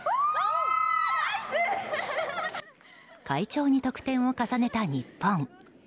快調に得点を重ねた日本。